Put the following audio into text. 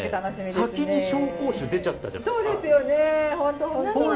先に紹興酒出ちゃったじゃないですか。